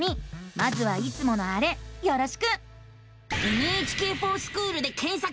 まずはいつものあれよろしく！